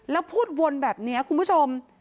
แล้วพูดวนแบบนี้คุณผู้ชม